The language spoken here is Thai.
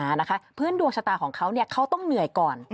นะคะพื้นดวงชะตาของเขาเนี่ยเขาต้องเหนื่อยก่อน